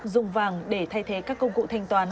dùng vàng để thay thế các công cụ thanh toán